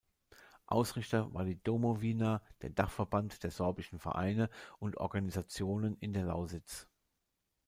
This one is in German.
Ausrichter war die Domowina, der Dachverband der sorbischen Vereine und Organisationen in der Lausitz.